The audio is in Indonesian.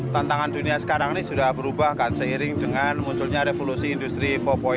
tantangan dunia sekarang ini sudah berubah kan seiring dengan munculnya revolusi industri empat